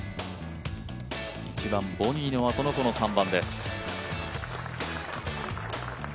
１番、ボギーのあとの３番です。